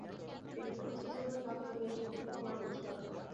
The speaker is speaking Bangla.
যতদূর কষ্ট সহিবার তাহা তো সহিয়াছি, কোন সুখ আমার অবশিষ্ট আছে?